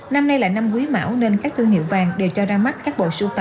năm nay là năm quý mảo nên các thương hiệu vàng đều cho ra mắt các bộ sưu tài